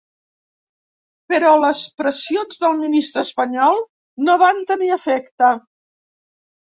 Però les pressions del ministre espanyol no van tenir efecte.